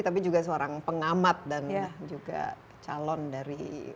tapi juga seorang pengamat dan juga calon dari